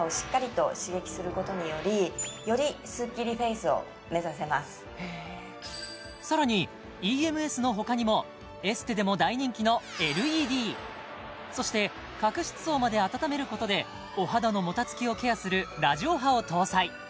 つまみあげをそして笹川さんがそれがさらにＥＭＳのほかにもエステでも大人気のＬＥＤそして角質層まで温めることでお肌のもたつきをケアするラジオ波を搭載